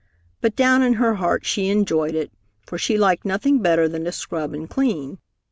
But down in her heart she enjoyed it, for she liked nothing better than to scrub and clean.